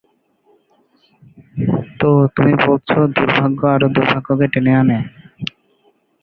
তো, তুমি বলছো দুর্ভাগ্য আরও দুর্ভাগ্যকে টেনে আনে?